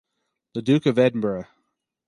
The Duke of Edinburgh.